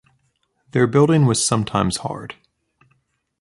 Their building was sometimes hard.